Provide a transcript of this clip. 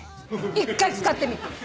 一回使ってみて。